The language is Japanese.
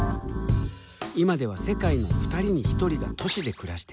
今では世界の２人に１人が都市で暮らしている。